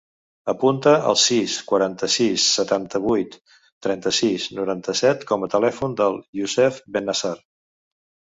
Apunta el sis, quaranta-sis, setanta-vuit, trenta-sis, noranta-set com a telèfon del Youssef Bennasar.